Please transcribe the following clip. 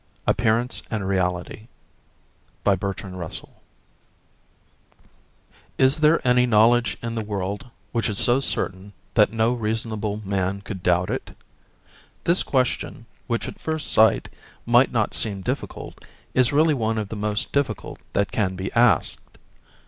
APPEARANCE AND REALITY Is there any knowledge in the world which is so certain that no reasonable man could doubt it? This question, which at first sight might not seem difficult, is really one of the most difficult that can be asked.